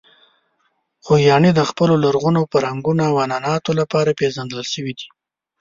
خوږیاڼي د خپلو لرغونو فرهنګونو او عنعناتو لپاره پېژندل شوې ده.